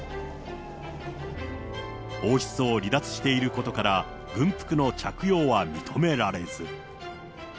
王室を離脱していることから、軍服の着用は認められず。